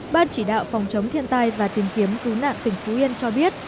ban chỉ đạo phòng chống thiên tai và tìm kiếm cứu nạn tỉnh phú yên cho biết